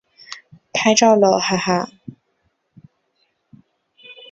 拍照喽哈哈